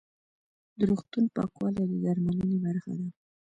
د روغتون پاکوالی د درملنې برخه ده.